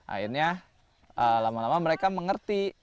akhirnya lama lama mereka mengerti